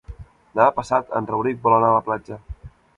Demà passat en Rauric vol anar a la platja.